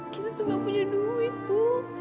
kita tuh gak punya duit tuh